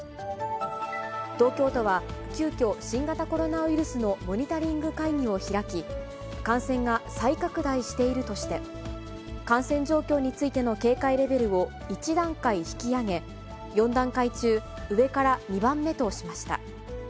東京都は急きょ、新型コロナウイルスのモニタリング会議を開き、感染が再拡大しているとして、感染状況についての警戒レベルを１段階引き上げ、４段階中、上から２番目としました。